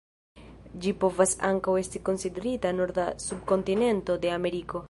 Ĝi povas ankaŭ esti konsiderita norda subkontinento de Ameriko.